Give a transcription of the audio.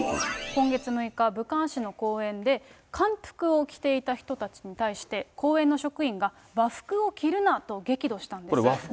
今月６日、武漢市の公園で、漢服を着ていた人たちに対して、公園の職員が和服を着るなと激怒したんです。